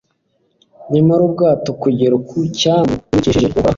nyamara ubwato bugera ku cyambu, bubikesheje uhoraho